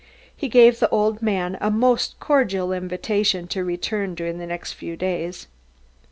He gave the old man a most cordial invitation to return during the next few days.